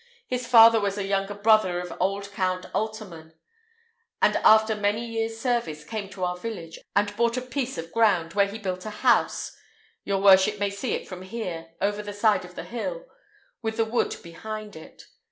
His father was a younger brother of old Count Altaman, and after many years' service came to our village, and bought a piece of ground, where he built a house: your worship may see it from here, over the side of the hill, with the wood behind it.